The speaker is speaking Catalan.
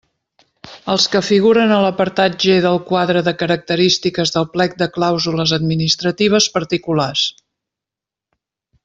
Els que figuren a l'apartat G del quadre de característiques del plec de clàusules administratives particulars.